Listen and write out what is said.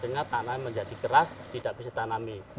dengan tanah menjadi keras tidak bisa tanami